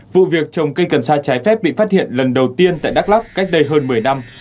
vụ việc trồng cây cần sa trái phép bị phát hiện lần đầu tiên tại đắk lắc cách đây hơn một mươi năm